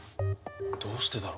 どうしてだろ？